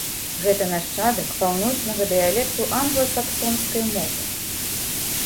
Гэта нашчадак паўночнага дыялекту англа-саксонскай мовы.